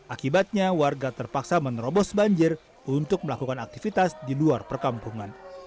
akibatnya warga terpaksa menerobos banjir untuk melakukan aktivitas di luar perkampungan